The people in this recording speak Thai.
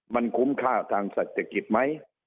มันคุ้มค่าทางเศรษฐกิจไหม